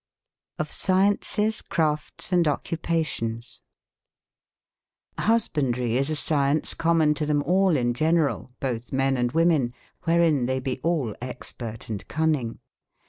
116 Of Sciences, Craf tes & Ocupations^ aSBHJVORie is a science common to them all in gen/ erall, botbe men & women, wherein tbev be all experte and cunning.